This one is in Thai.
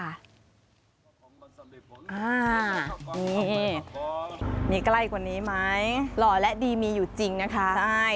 นี่มีใกล้กว่านี้ไหมหล่อและดีมีอยู่จริงนะคะใช่